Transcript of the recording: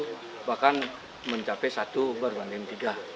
bukan beragama hindu bahkan mencapai satu berbanding tiga